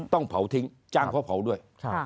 ต้องเผาทิ้งจ้างเขาเผาด้วย